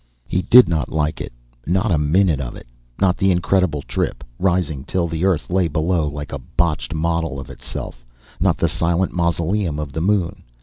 He did not like it, not a minute of it. Not the incredible trip, rising till the Earth lay below like a botched model of itself; not the silent mausoleum of the Moon.